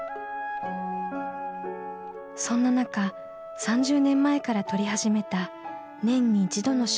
そんな中３０年前から撮り始めた年に一度の集合写真。